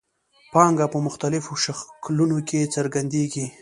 پانګه په مختلفو شکلونو کې څرګندېږي